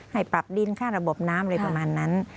ให้ปรับดินค่าระบบน้ำอะไรประมาณนั้น